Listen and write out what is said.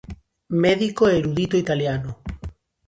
Médico e erudito italiano.